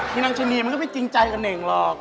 นางชะนีมันก็ไม่จริงใจกับเน่งหรอก